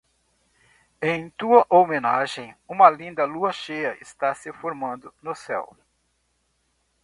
Em tua homenagem, uma linda Lua cheia está se formando no céu.